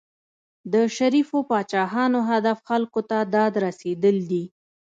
د شریفو پاچاهانو هدف خلکو ته داد رسېدل دي.